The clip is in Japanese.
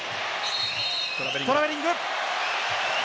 トラベリング。